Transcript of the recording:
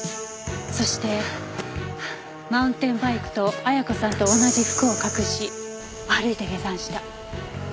そしてマウンテンバイクと亜矢子さんと同じ服を隠し歩いて下山した。